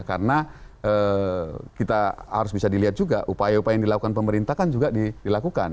karena kita harus bisa dilihat juga upaya upaya yang dilakukan pemerintah kan juga dilakukan